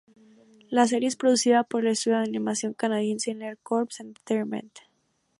La serie es producida por el estudio de animación canadiense Nerd Corps Entertainment..